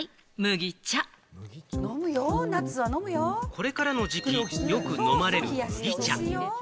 これからの時期、よく飲まれる麦茶。